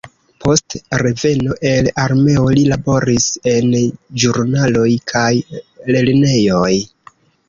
Post reveno el armeo li laboris en ĵurnaloj kaj lernejoj.